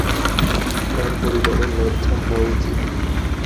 তার পরিবারের লজ্জা হওয়া উচিত।